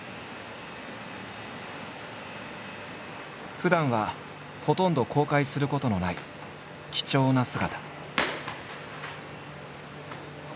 ふだんはほとんど公開することのない貴重な姿。